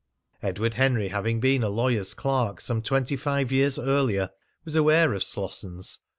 Edward Henry, having been a lawyer's clerk some twenty five years earlier, was aware of Slossons.